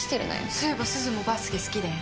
そういえばすずもバスケ好きだよね？